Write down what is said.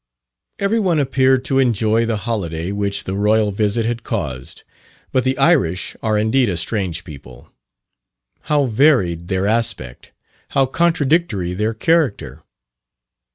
Every one appeared to enjoy the holiday which the Royal visit had caused. But the Irish are indeed a strange people. How varied their aspect how contradictory their character.